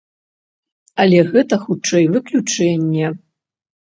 Але гэта, хутчэй, выключэнне.